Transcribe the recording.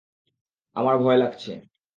আমার ভয় লাগছে!